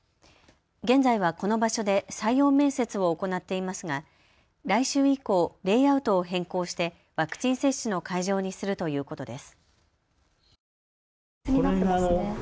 現在はこの場所で採用面接を行っていますが来週以降、レイアウトを変更してワクチン接種の会場にするということです。